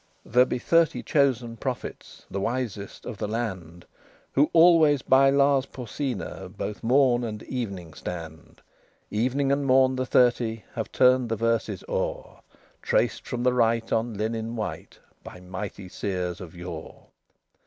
IX There be thirty chosen prophets, The wisest of the land, Who alway by Lars Porsena Both morn and evening stand: Evening and morn the Thirty Have turned the verses o'er, Traced from the right on linen white By mighty seers of yore.